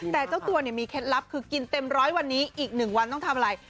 แต่เจ้าตัวเนี่ยมีเคล็ดลับคือกินเต็มร้อยวันนี้อีก๑วันต้องทำอะไร